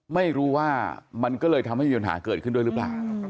ไม่รู้ว่ามันก็เลยทำให้มีปัญหาเกิดขึ้นด้วยหรือเปล่า